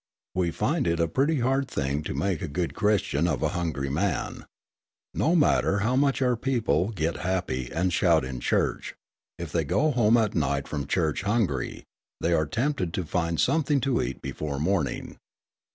We find it a pretty hard thing to make a good Christian of a hungry man. No matter how much our people "get happy" and "shout" in church, if they go home at night from church hungry, they are tempted to find something to eat before morning.